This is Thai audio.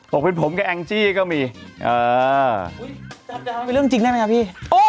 บอกว่าเป็นผมกับแองจี้ก็มีเอออุ้ยจับจับเป็นเรื่องจริงได้ไหมครับพี่โอ้ย